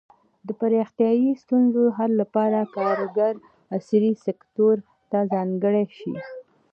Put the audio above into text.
د پراختیايي ستونزو حل لپاره کارګر عصري سکتور ته ځانګړي شي.